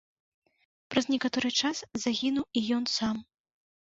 Праз некаторы час загінуў і ён сам.